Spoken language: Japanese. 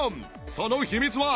その秘密は